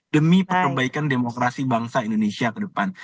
demi perbaikan demokrasi bangsa indonesia ke depan